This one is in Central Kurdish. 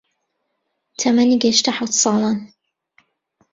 تەمەنی گەیشتە حەوت ساڵان